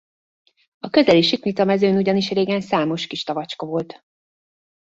A közeli Siknica-mezőn ugyanis régen számos kis tavacska volt.